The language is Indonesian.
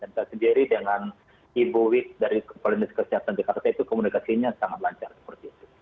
dan saya sendiri dengan ibu wit dari kepala jenderal kesehatan jakarta itu komunikasinya sangat lancar